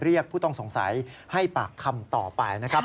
เรียกผู้ต้องสงสัยให้ปากคำต่อไปนะครับ